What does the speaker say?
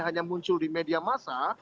hanya muncul di media masa